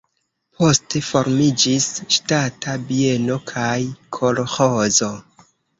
Poste formiĝis ŝtata bieno kaj kolĥozo.